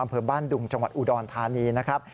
อำเภอบ้านดุงจังหวัดอุดรธานีนะครับ